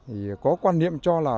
thì có quan niệm cho là